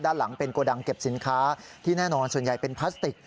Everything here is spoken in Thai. ด้านหลังเป็นโกดังเก็บสินค้าที่แน่นอนส่วนใหญ่เป็นพลาสติก